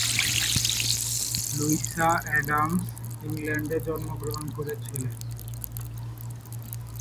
Luisa Adams ইংল্যান্ডে জন্মগ্রহণ করেছিলেন।